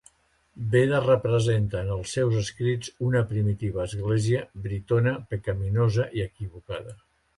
Beda representa en els seus escrits una primitiva Església britona pecaminosa i equivocada.